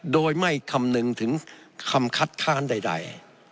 โดยไม่คำนึงถึงคำคัดค้านใด